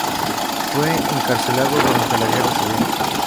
Fue encarcelado durante la Guerra Civil.